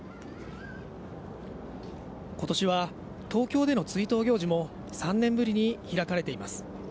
ことしは東京での追悼行事も３年ぶりに開かれています。